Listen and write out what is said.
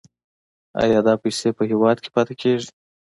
آیا دا پیسې په هیواد کې پاتې کیږي؟